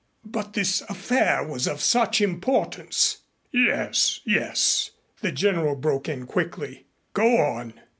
"But this affair was of such importance " "Yes, yes," the general broke in quickly, "go on."